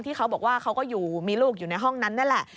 เขาบอกว่าเขาก็อยู่มีลูกอยู่ในห้องนั้นนั่นแหละ